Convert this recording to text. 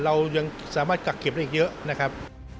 เรายังสามารถกักเก็บได้อีกเยอะนะครับ